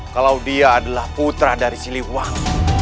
kalau dia adalah putra dari siliwan